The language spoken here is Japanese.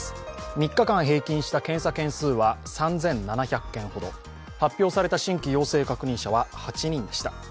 ３日間平均した検査件数は３７００件ほど発表された新規陽性確認者は８人でした。